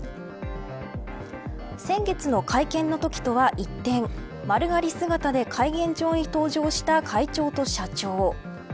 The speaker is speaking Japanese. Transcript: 先月の会見のときとは一転丸刈り姿で会見場に登場した会長と社長。